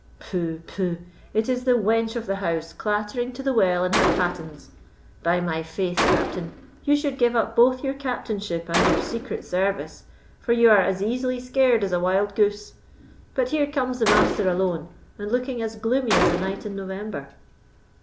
"Pooh, pooh, it is the wench of the house clattering to the well in her pattens. By my faith, Captain, you should give up both your captainship and your secret service, for you are as easily scared as a wild goose. But here comes the Master alone, and looking as gloomy as a night in November."